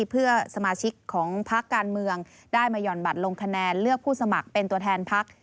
เพื่อสมาชิกของพักการเมืองได้มาหย่อนบัตรลงคะแนนเลือกผู้สมัครเป็นตัวแทนพัก